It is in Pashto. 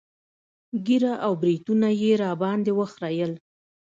ږيره او برېتونه يې راباندې وخرييل.